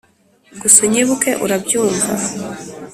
gusa unyibuke; urabyumva